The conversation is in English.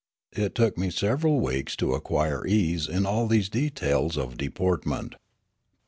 It took me several weeks to acquire ease in all these details of deportment.